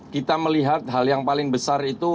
kita melihat hal yang paling besar itu